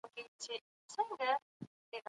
ايا د خنډونو لري کول اسانه کار دی؟